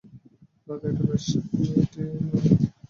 দাদা, এটা বেশ, আমি এইটেই নেব।